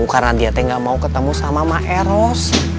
karena dia teh nggak mau ketemu sama ma'eros